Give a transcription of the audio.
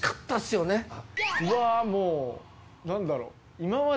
うわもう何だろう。